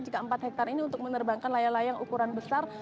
jika empat hektare ini untuk menerbangkan layang layang ukuran besar